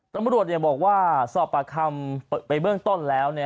ตำรวจบอกว่าสอบปากคำไปเบื้องต้นแล้ว